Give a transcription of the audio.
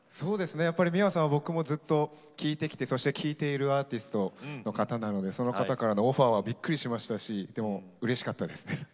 やっぱりｍｉｗａさんは僕もずっと聴いてきてそして聴いているアーティストの方なのでその方からのオファーはびっくりしましたしでもうれしかったですね。